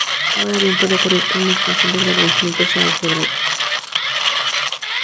Ahora bien, puede ocurrir que una extensión de grado infinito sea algebraica.